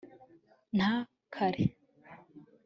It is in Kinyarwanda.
nta kare